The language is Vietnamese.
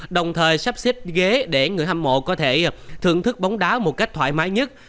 đồng thời sắp xếp ghế để người hâm mộ có thể thưởng thức bóng đá một cách thoải mái nhất